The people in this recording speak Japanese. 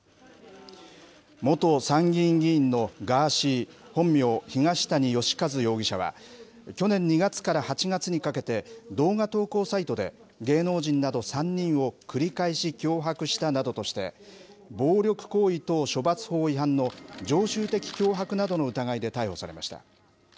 元参議院議員のガーシー、本名・東谷義和容疑者は、去年２月から８月にかけて、動画投稿サイトで、芸能人など３人を、繰り返し脅迫したなどとして、暴力行為等処罰法違反の常習的脅迫などの疑いで逮捕されました。